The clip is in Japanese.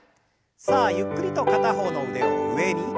さあゆっくりと片方の腕を上に。